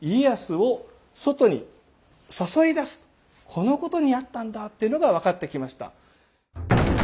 このことにあったんだっていうのが分かってきました。